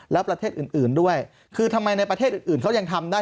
แล้วประเทศอื่นด้วยคือทำไมในประเทศอื่นเขายังทำได้